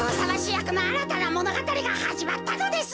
やくのあらたなものがたりがはじまったのです。